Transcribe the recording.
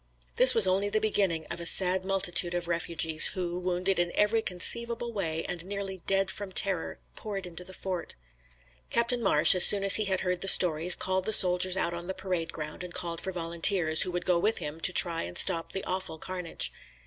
This was only the beginning of a sad multitude of refugees, who, wounded in every conceivable way, and nearly dead from terror, poured into the fort. Captain Marsh, as soon as he had heard the stories, called the soldiers out on the parade ground and called for volunteers, who would go with him to try and stop the awful carnage.